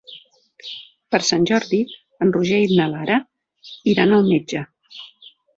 Per Sant Jordi en Roger i na Lara iran al metge.